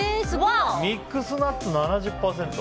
ミックスナッツ、７０％。